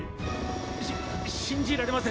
し信じられません。